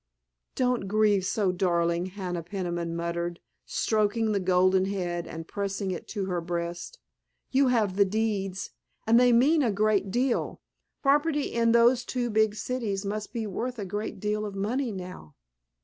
"Don't grieve so, darling," Hannah Peniman murmured, stroking the golden head and pressing it to her breast, "you have the deeds, and they mean a great deal. Property in those two big cities must be worth a great deal of money now."